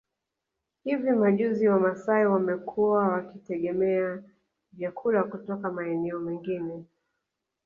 Hivi majuzi wamasai wamekuwa wakitegemea vyakula kutoka maeneo mengine